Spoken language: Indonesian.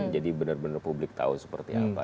jadi bener bener publik tau seperti apa